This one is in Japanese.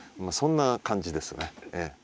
そんな感じですねええ。